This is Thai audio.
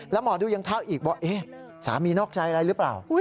แล้วหมอดูยังทักอีกบอกสามีนอกใจอะไรหรือเปล่า